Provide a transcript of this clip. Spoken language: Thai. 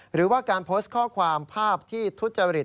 หรือว่าการโพสต์ข้อความภาพที่ทุจริต